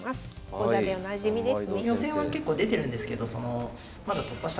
講座でおなじみですね。